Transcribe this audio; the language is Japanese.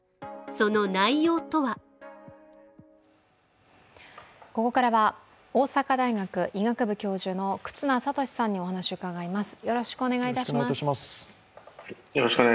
その内容とはここからは大阪大学医学部教授の忽那賢志さんにお話を伺います。